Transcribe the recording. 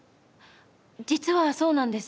実はそうなんです。